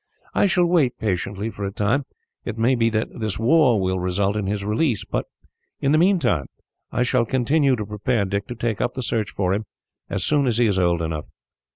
I shall wait patiently, for a time. It may be that this war will result in his release. But in the meantime, I shall continue to prepare Dick to take up the search for him, as soon as he is old enough.